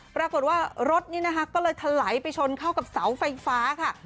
ปรากฏว่ารถนี่นะคะก็เลยถลายไปชนเข้ากับเสาไฟฟ้าค่ะ